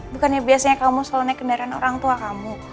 bukannya biasanya kamu selalu naik kendaraan orang tua kamu